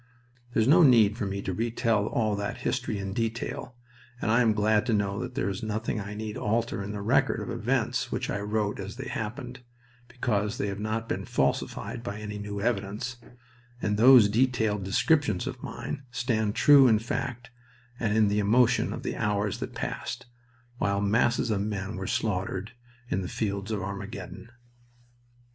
There is no need for me to retell all that history in detail, and I am glad to know that there is nothing I need alter in the record of events which I wrote as they happened, because they have not been falsified by any new evidence; and those detailed descriptions of mine stand true in fact and in the emotion of the hours that passed, while masses of men were slaughtered in the fields of Armageddon.